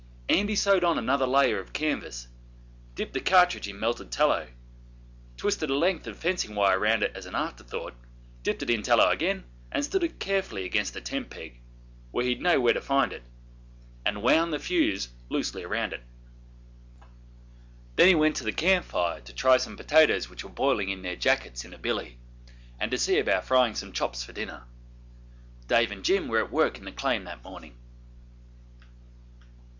Andy sewed on another layer of canvas, dipped the cartridge in melted tallow, twisted a length of fencing wire round it as an afterthought, dipped it in tallow again, and stood it carefully against a tent peg, where he'd know where to find it, and wound the fuse loosely round it. Then he went to the camp fire to try some potatoes which were boiling in their jackets in a billy, and to see about frying some chops for dinner. Dave and Jim were at work in the claim that morning.